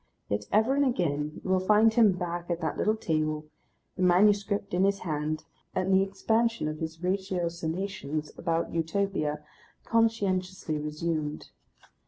Yet, ever and again, you will find him back at that little table, the manuscript in his hand, and the expansion of his ratiocinations about Utopia conscientiously resumed.